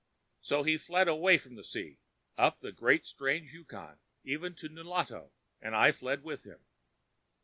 So he fled away from the sea, up the great, strange Yukon, even to Nulato, and I fled with him.